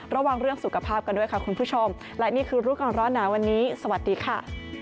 ระวังเรื่องสุขภาพกันด้วยค่ะคุณผู้ชมและนี่คือรู้ก่อนร้อนหนาวันนี้สวัสดีค่ะ